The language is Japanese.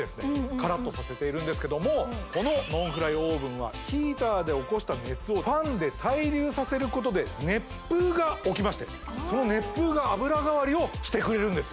カラッとさせているんですけどもこのノンフライオーブンはヒーターで起こした熱をファンで対流させることで熱風が起きましてその熱風が油代わりをしてくれるんですよ